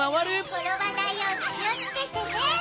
ころばないようにきをつけてね。